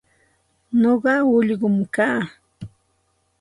Nuqa ullqum kaa.